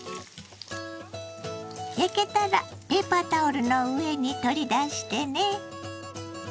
焼けたらペーパータオルの上に取り出してね。